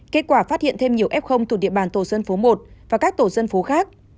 kết quả phát hiện thêm nhiều f thuộc địa bàn tổ dân phố một và các tổ dân phố khác